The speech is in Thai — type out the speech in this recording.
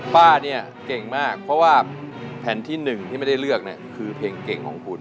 เพราะว่าแผ่นที่หนึ่งที่ไม่ได้เลือกคือเพลงเก่งของคุณ